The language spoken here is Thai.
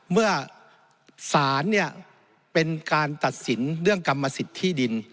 เมื่อสารเนี่ยเป็นการตัดสินเรื่องกรรมสิทธิ์ที่ดิน